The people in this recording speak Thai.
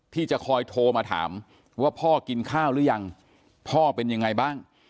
ที่จะคอยโทรมาถามว่าพ่อกินข้าวหรือยังพ่อเป็นยังไงบ้าง